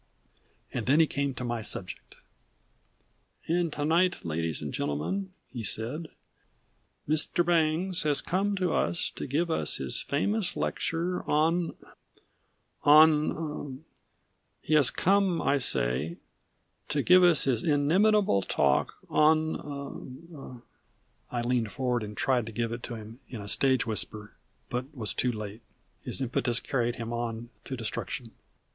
And then he came to my subject. "And to night, ladies and gentlemen," he said, "Mr. Bangs has come to us to give us his famous lecture on ahem on er he has come, I say, to give us his inimitable talk on er on er " I leaned forward, and tried to give it to him in a stage whisper; but was too late. His impetus carried him on to destruction.